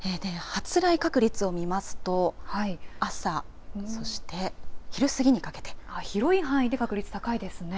発雷確率を見ますと朝、そして昼過ぎにかけて確率が高いですね。